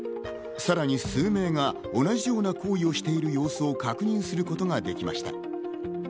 さらに数名が同じような行為をしている様子を確認することができました。